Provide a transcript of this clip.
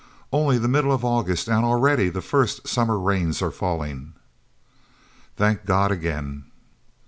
Only the middle of August and already the first summer rains are falling! Thank God again!